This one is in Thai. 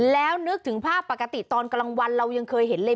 แล้วนึกถึงภาพปกติตอนกลางวันเรายังเคยเห็นเลย